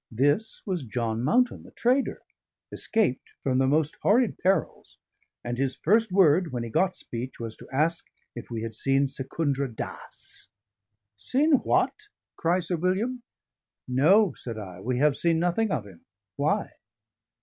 This was John Mountain, the trader, escaped from the most horrid perils; and his first word, when he got speech, was to ask if we had seen Secundra Dass. "Seen what?" cries Sir William. "No," said I, "we have seen nothing of him. Why?"